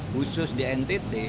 khusus di ntt